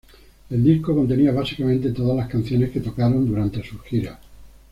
El disco contenía básicamente todas las canciones que tocaron durante sus giras.